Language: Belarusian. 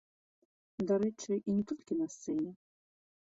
Дарэчы, і не толькі на сцэне.